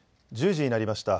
１０時になりました。